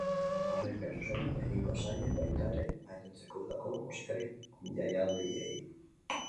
Jarraipen zuzena egingo zaie baita ere gainontzeko udako musika jaialdiei.